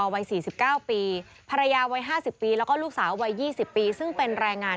วัย๔๙ปีภรรยาวัย๕๐ปีแล้วก็ลูกสาววัย๒๐ปีซึ่งเป็นแรงงาน